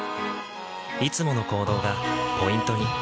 いつもの行動がポイントに。